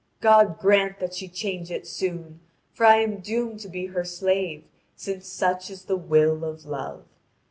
God grant that she change it soon! For I am doomed to be her slave, since such is the will of Love.